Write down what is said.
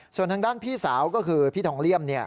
ส่วนทางด้านพี่สาวก็คือพี่ทองเลี่ยม